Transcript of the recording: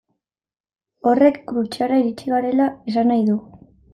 Horrek Krutxeara iritsi garela esan nahi du.